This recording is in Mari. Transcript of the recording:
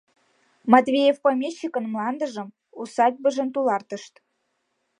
Матвеев помещикын мландыжым, усадьбыжым тулартышт.